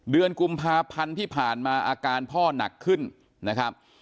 เดือนกุมภาพันธ์ที่ผ่านมาอาการพ่อหนักขึ้นนะครับ